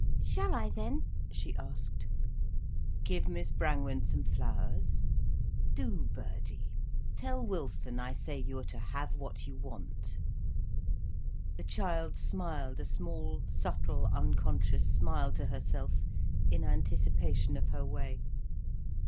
"Shall I then?" she asked. "Give Miss Brangwen some flowers? Do, Birdie. Tell Wilson I say you are to have what you want." The child smiled a small, subtle, unconscious smile to herself, in anticipation of her way.